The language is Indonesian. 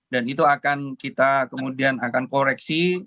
dan itu akan kita kemudian akan koreksi